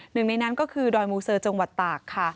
หนึ่งในนั้นก็คือดอยมูเซอร์จังหวัดตากค่ะ